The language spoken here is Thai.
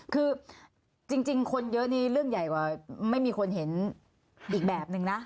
คือจริงคนเยอะนี่เรื่องใหญ่กว่าไม่มีคนเห็นอีกแบบนึงนะ